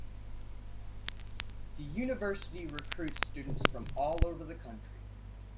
The university recruits students from all over the country.